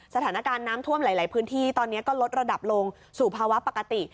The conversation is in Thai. สถานการณ์น้ำท่วมหลายพื้นที่ตอนนี้ก็ลดระดับลงสู่ภาวะปกติ